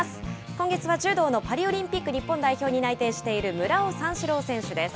今月は柔道のパリオリンピック日本代表に内定している村尾三四郎選手です。